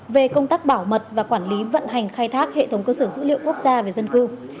về công tác bảo mật và quản lý vận hành khai thác hệ thống cơ sở dữ liệu quốc gia về dân cư